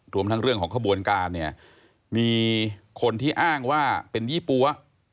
รวมทั้งเรื่องของขบวนการเนี่ยมีคนที่อ้างว่าเป็นยี่ปั๊ว